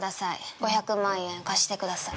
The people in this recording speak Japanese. ５００万円貸してください。